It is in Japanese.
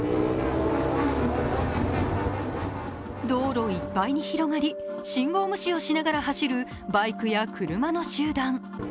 道路いっぱいに広がり信号無視をしながら走るバイクや車の集団。